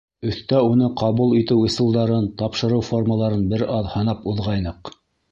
Өҫтә уны ҡабул итеү ысулдарын, тапшырыу формаларын бер аҙ һанап уҙғайныҡ.